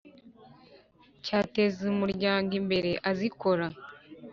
cyateza umuryango imbere azikora.